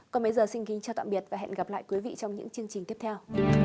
còn bây giờ xin kính chào tạm biệt và hẹn gặp lại quý vị trong những chương trình tiếp theo